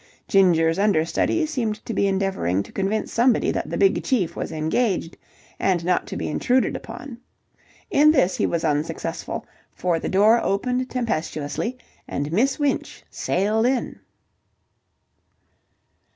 Ginger's understudy seemed to be endeavouring to convince somebody that the Big Chief was engaged and not to be intruded upon. In this he was unsuccessful, for the door opened tempestuously and Miss Winch sailed in.